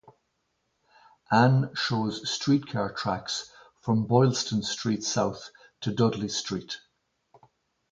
An shows streetcar tracks from Boylston Street south to Dudley Street.